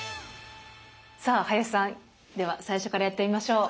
さあ林さんでは最初からやってみましょう。